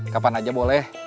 kapan aja boleh